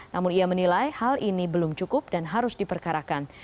namun ia menilai hal ini belum cukup dan harus diperkarakan